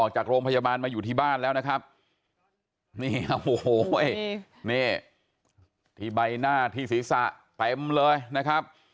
กับโรงพยาบาลมาอยู่ที่บ้านแล้วนะครับที่ใบหน้าที่ศีรษะเต็มเลยนะครับ